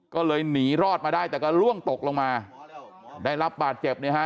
ก็เลยหนีรอดมาได้แต่ก็ล่วงตกลงมาได้รับบาดเจ็บเนี่ยฮะ